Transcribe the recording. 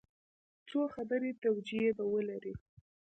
څو خبري توجیې به ولري.